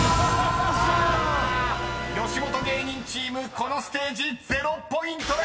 ［吉本芸人チームこのステージ０ポイントです］